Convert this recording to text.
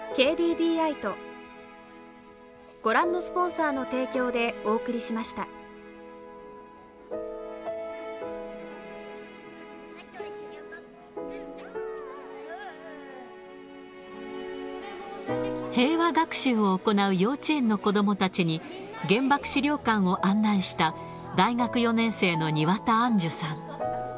それでも園児たちは目を背け平和学習を行う幼稚園の子どもたちに、原爆資料館を案内した、大学４年生の庭田杏珠さん。